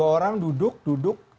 dua orang duduk duduk